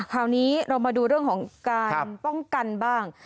คราวนี้เรามาดูเรื่องของการป้องกันบ้าง